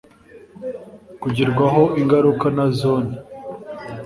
kugirwaho ingaruka na Zone